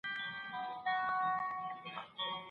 ایا ملي بڼوال وچ زردالو اخلي؟